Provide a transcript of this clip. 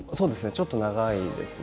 ちょっと長いですね。